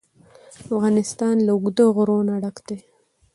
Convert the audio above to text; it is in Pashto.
افغانستان له اوږده غرونه ډک دی.